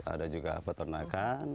ada juga peternakan